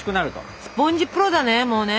スポンジプロだねもうね。